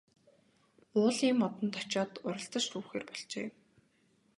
Уулын модонд очоод уралдаж түүхээр болжээ.